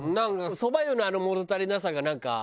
そば湯のあの物足りなさがなんか。